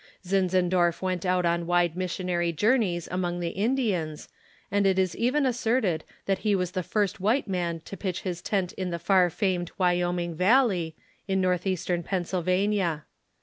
Zinzendorf went out on wide missionary journeys among the Indians, and it is even asserted that he was the first white man to pitch his tent in the far famed Wyoming Valley, in northeastern Pennsylva nia.